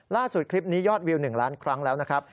คลิปนี้ยอดวิว๑ล้านครั้งแล้วนะครับ